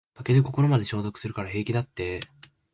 酒で心まで消毒するから平気だって